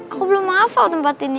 aku belum hafal tempat ini